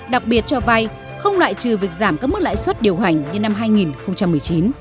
đặc biệt cho vay không loại trừ việc giảm các mức lãi suất điều hành như năm hai nghìn một mươi chín